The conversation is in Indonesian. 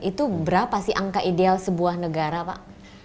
itu berapa sih angka ideal sebuah negara pak